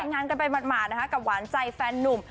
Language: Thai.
กันไปหมาดกับหวานใจแฟนหนุ่ม